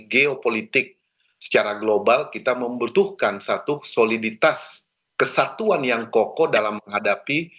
geopolitik secara global kita membutuhkan satu soliditas kesatuan yang kokoh dalam menghadapi